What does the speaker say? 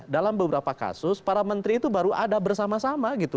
dalam beberapa kasus para menteri itu baru ada bersama sama gitu